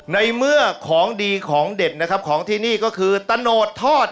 ในเมื่อของดีของเด็ดนะครับของที่นี่ก็คือตะโนดทอด